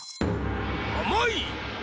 あまい！